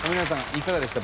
いかがでした？